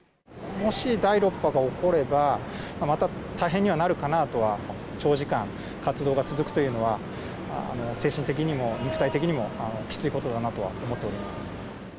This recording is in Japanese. もし第６波が起これば、また大変にはなるかなとは、長時間活動が続くというのは、精神的にも肉体的にもきついことだなとは思っております。